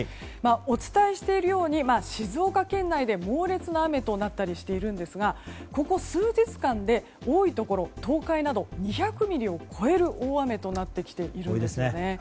お伝えしているように静岡県内で猛烈な雨となったりしているんですがここ数日間で多いところ東海など２００ミリを超える大雨となってきているんですよね。